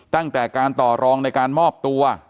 ตั้งแต่การต่อรองในการมอบตัว